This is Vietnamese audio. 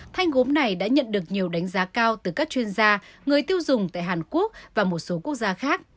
thanh gốm này đã nhận được nhiều đánh giá cao từ các chuyên gia người tiêu dùng tại hàn quốc và một số quốc gia khác